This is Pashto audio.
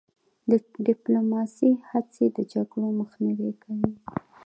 د ډیپلوماسی هڅې د جګړو مخنیوی کوي.